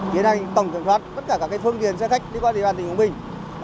để tổng kiểm soát bất cả các phương tiền xe khách đi qua địa phận cảnh sát giao thông quảng bình